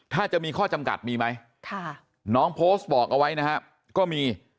ถ้าจะมีข้อจำกัดมีไหมน้องโพสต์บอกเอาไว้นะครับก็มี